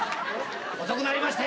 遅くなりまして。